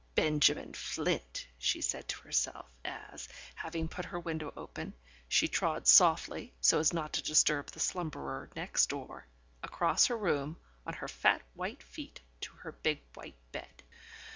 ... "Benjamin Flint!" she said to herself as, having put her window open, she trod softly (so as not to disturb the slumberer next door) across her room on her fat white feet to her big white bed.